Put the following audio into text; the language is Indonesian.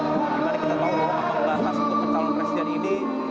bagaimana kita tahu apa beratas untuk pencalon presiden ini